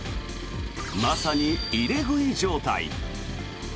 まさに入れ食い状態。